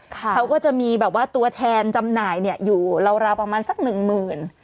เขาก็จะมีแบบว่าตัวแทนจำหน่ายอยู่ราวประมาณสักหนึ่งหมื่น